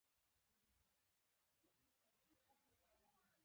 احمد تل کارونه په بیړه ترسره کوي، په هر کار کې اور لگوي.